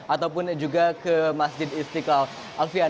ataupun juga ke masjid istana bogor